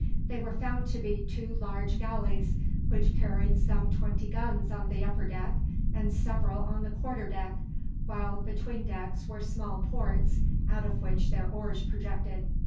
They were found to be two large galleys, which carried some twenty guns on the upper deck, and several on the quarter deck, while between decks were small ports, out of which their oars projected.